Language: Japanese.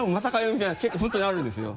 みたいなの結構本当にあるんですよ。